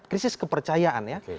krisis kepercayaan ya